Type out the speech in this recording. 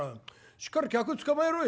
しっかり客捕まえろい」。